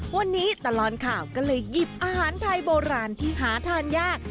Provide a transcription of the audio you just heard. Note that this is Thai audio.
วันนี้ตลอดข่าวก็เลยหยิบอาหารไทยโบราณที่หาทานยาก